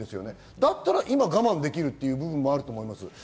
だったら今我慢できるという部分があります。